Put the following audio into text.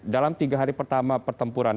dalam tiga hari pertama pertempuran